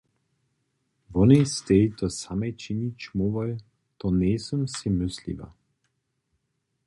Wonej stej to samej činić móhłoj, to njejsym sej mysliła.